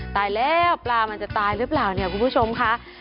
ตายแล้วปลามันจะตายหรือเปล่าเนี่ยคุณผู้ชมค่ะ